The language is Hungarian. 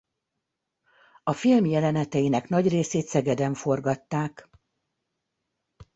A film jeleneteinek nagy részét Szegeden forgatták.